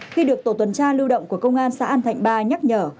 khi được tổ tuần tra lưu động của công an xã an thạnh ba nhắc nhở